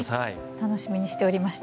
楽しみにしておりました。